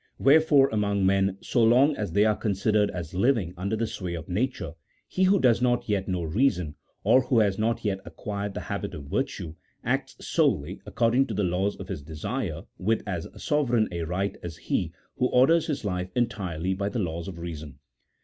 Wherefore among men, so long as they are considered as living under the sway of nature, he who does not yet know reason, or who has not yet acquired the habit of virtue, acts solely according to the laws of his desire with as sovereign a right as he who orders his life entirely by the laws of reason.